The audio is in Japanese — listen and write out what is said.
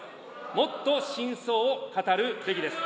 もっと真相を語るべきです。